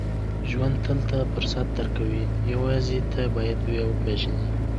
• ژوند تل ته فرصت درکوي، یوازې ته باید یې وپېژنې.